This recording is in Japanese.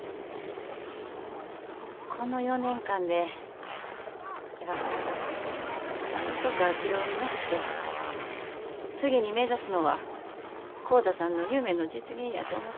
この４年間でＩＷＡＫＵＲＡがなんとか軌道に乗って次に目指すのは浩太さんの夢の実現やて思てた。